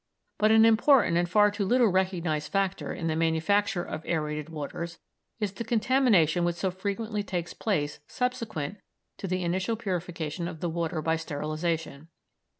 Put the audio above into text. But an important and far too little recognised factor in the manufacture of aërated waters is the contamination which so frequently takes place subsequent to the initial purification of the water by sterilisation.